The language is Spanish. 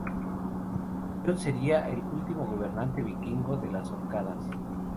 Jon sería el último gobernante vikingo de las Orcadas.